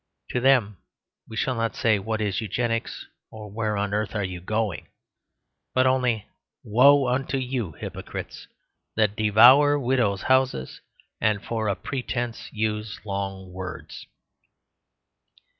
To them we shall not say, "What is Eugenics?" or "Where on earth are you going?" but only "Woe unto you, hypocrites, that devour widows' houses and for a pretence use long words."